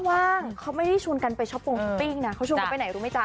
ว่างเขาไม่ได้ชวนกันไปช้อปปงช้อปปิ้งนะเขาชวนกันไปไหนรู้ไหมจ๊